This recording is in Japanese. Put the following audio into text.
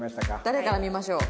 誰から見ましょう？